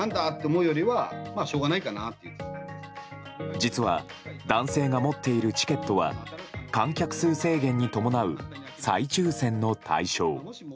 実は男性が持っているチケットは観客数制限に伴う再抽選の対象。